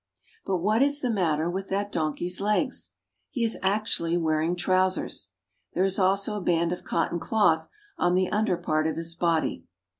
But what is the matter with that "The bread wagon of Guayaquil." donkey's legs? He is actually wearing trousers. There is also a band of cotton cloth on the under part of his body.